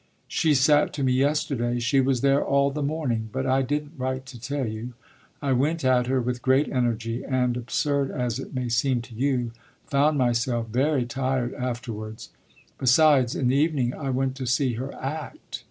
"She sat to me yesterday; she was there all the morning; but I didn't write to tell you. I went at her with great energy and, absurd as it may seem to you, found myself very tired afterwards. Besides, in the evening I went to see her act."